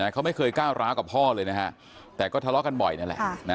เขาไม่เคยก้าวร้าวกับพ่อเลยนะฮะแต่ก็ทะเลาะกันบ่อยนั่นแหละ